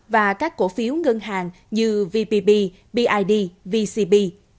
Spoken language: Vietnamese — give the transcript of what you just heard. và các cổ phiếu ngân hàng như vpb bid vcb